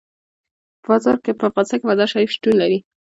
په افغانستان کې مزارشریف شتون لري.